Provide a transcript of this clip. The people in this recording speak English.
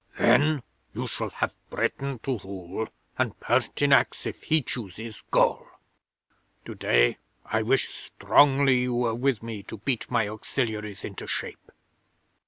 Then you shall have Britain to rule, and Pertinax, if he chooses, Gaul. To day I wish strongly you were with me to beat my Auxiliaries into shape.